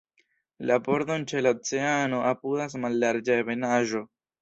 La bordon ĉe la oceano apudas mallarĝa ebenaĵo.